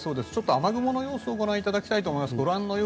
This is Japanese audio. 雨雲の様子をご覧いただきたいと思います。